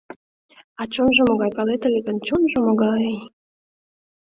А чонжо могай, палет ыле гын, чонжо могай!..